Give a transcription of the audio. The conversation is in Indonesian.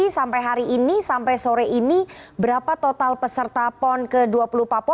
selamat sore pak suwarno